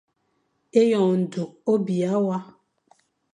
Eyon njuk o biya wa.